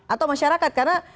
atau masyarakat karena